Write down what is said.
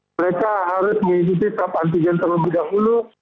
mereka harus mengikuti tab antigen terlebih dahulu